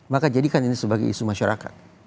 maka jadikan ini sebagai isu masyarakat